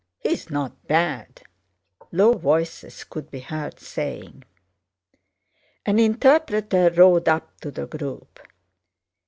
He's not bad!" low voices could be heard saying. An interpreter rode up to the group.